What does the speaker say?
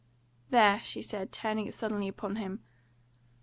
"There!" she said, turning it suddenly upon him.